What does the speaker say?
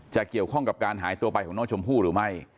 เกี่ยวข้องกับการหายตัวไปของน้องชมพู่หรือไม่